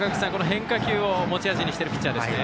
変化球を持ち味にしているピッチャーですね。